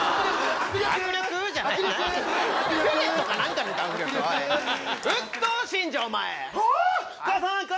握力じゃないわ。